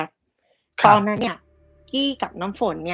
ตอนนั้นกี้กับน้ำฝน